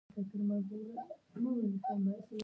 هلک د خوشالۍ پېغام راوړي.